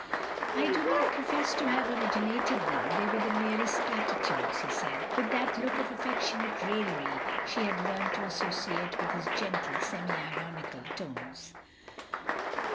" "I do not profess to have originated them. They were the merest platitudes, " he said, with that look of affectionate raillery she had learnt to associate with his gentle, semi ironical tones.